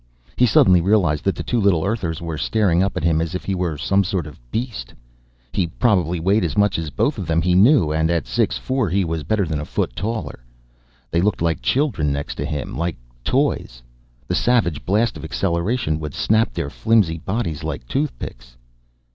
He suddenly realized that the two little Earthers were staring up at him as if he were some sort of beast. He probably weighed as much as both of them, he knew, and at six four he was better than a foot taller. They looked like children next to him, like toys. The savage blast of acceleration would snap their flimsy bodies like toothpicks.